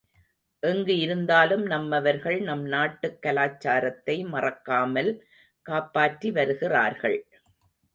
எங்கு இருந்தாலும் நம்மவர்கள் நம் நாட்டுக் கலாச்சாரத்தை மறக்காமல் காப்பாற்றி வருகிறார்கள்.